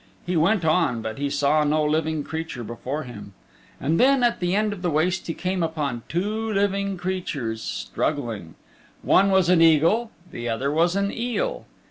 He went on, but he saw no living creature before him. And then, at the end of the waste he came upon two living creatures struggling. One was an eagle and the other was an eel.